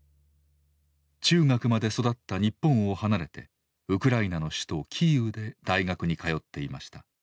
中学まで育った日本を離れてウクライナの首都キーウで大学に通っていました。